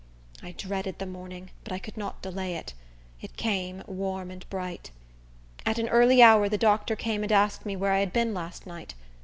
I dreaded the morning, but I could not delay it; it came, warm and bright. At an early hour the doctor came and asked me where I had been last night.